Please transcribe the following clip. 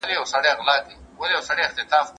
هغه وويل چي اوبه څښل ضروري دي؟!